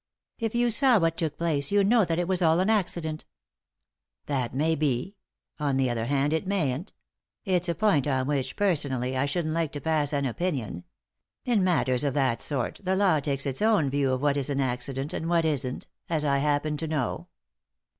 "If you saw what took place you know that it was all an accident." " That may be ; on the other hand, it mayn't ; it's a point on which, personally, I shouldn't like to pass an opinion. In matters of that sort the law takes its own view of what is an accident and what isn't— as I happen to know."